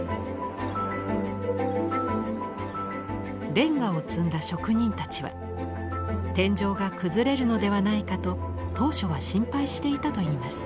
レンガを積んだ職人たちは天井が崩れるのではないかと当初は心配していたといいます。